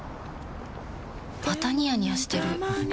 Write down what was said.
またニヤニヤしてるふふ。